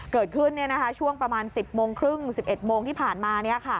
เกิดขึ้นช่วงประมาณ๑๐๓๐๑๑๐๐ที่ผ่านมา